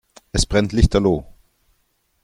Es brennt lichterloh.